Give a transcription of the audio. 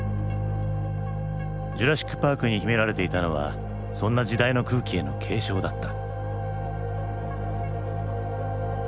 「ジュラシック・パーク」に秘められていたのはそんな時代の空気への警鐘だった。